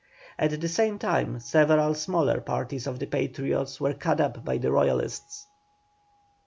At the same time several smaller parties of the Patriots were cut up by the Royalists.